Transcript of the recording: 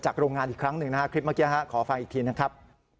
โรงงานอีกครั้งหนึ่งนะฮะคลิปเมื่อกี้ขอฟังอีกทีนะครับ